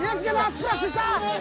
スプラッシュした？